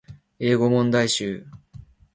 英語問題集